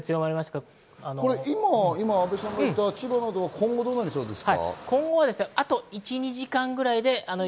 今、阿部さんがいた千葉などは今後どうなりますか？